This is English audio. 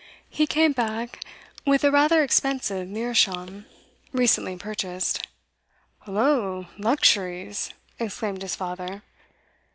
He came back with a rather expensive meerschaum, recently purchased. 'Hollo! luxuries!' exclaimed his father.